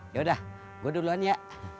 yaudah gue duluan ya